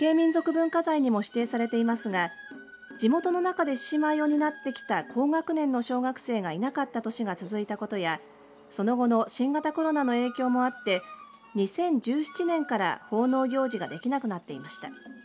文化財にも指定されていますが地元の中で獅子舞を担ってきた高学年の小学生がいなかった年が続いたことやその後の新型コロナの影響もあって２０１７年から奉納行事ができなくなっていました。